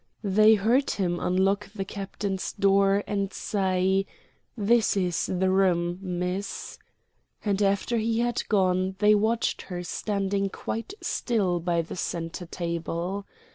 They heard him unlock the Captain's door and say, "This is his room, miss," and after he had gone they watched her standing quite still by the centre table.